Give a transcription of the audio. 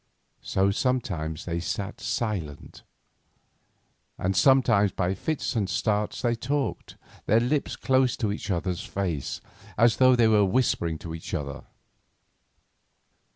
So sometimes they sat silent, and sometimes by fits and starts they talked, their lips close to each other's face, as though they were whispering to one another.